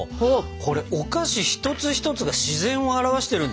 これお菓子一つ一つが自然を表してるんだね。